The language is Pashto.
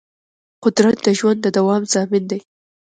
قدرت د ژوند د دوام ضامن دی.